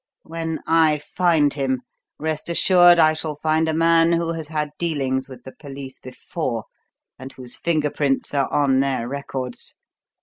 When I find him, rest assured I shall find a man who has had dealings with the police before and whose finger prints are on their records.